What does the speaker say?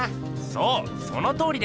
そうそのとおりです！